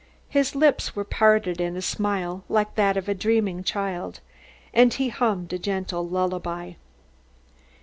His lips were parted in a smile like that of a dreaming child, and he hummed a gentle lullaby.